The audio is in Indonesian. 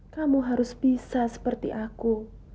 kamu harus bisa seperti aku